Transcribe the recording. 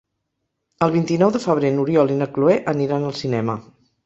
El vint-i-nou de febrer n'Oriol i na Cloè aniran al cinema.